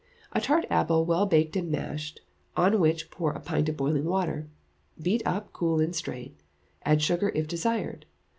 A tart apple well baked and mashed, on which pour a pint of boiling water. Beat up, cool, and strain. Add sugar if desired.